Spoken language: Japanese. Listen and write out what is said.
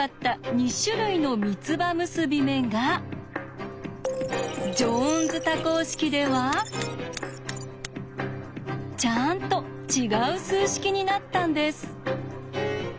２種類の三つ葉結び目がジョーンズ多項式ではちゃんと違う数式になったんです。